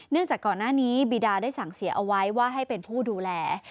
จากก่อนหน้านี้บีดาได้สั่งเสียเอาไว้ว่าให้เป็นผู้ดูแล